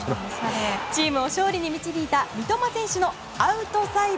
チームを勝利に導いた三笘選手のアウトサイド。